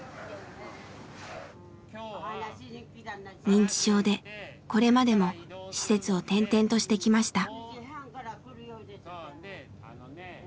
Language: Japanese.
認知症でこれまでも施設を転々としてきました。